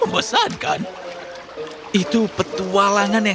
automan yang bersifat betamadanya